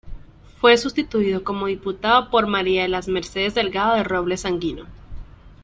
Fue sustituido como diputado por María de las Mercedes Delgado de Robles Sanguino.